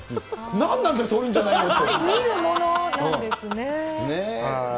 何なんだ、そういうんじゃないって。